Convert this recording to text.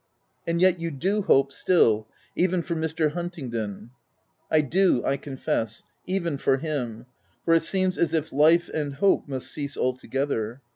" And yet you do hope, still — even for Mr. Huntingdon V y " I do, I confess — c even ' for him ; for it seems as if life and hope must cease together.